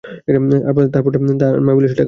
তারপর তোর মা আর আমি মিলে সেটা খাবো।